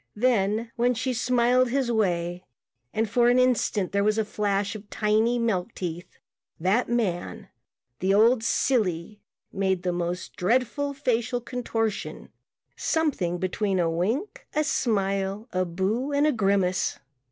Then, when she smiled his way and for an instant there was a flash of tiny, milk teeth, that man, the old silly, made the most dreadful facial contortion, something between a wink, a smile, a booh and a grimace.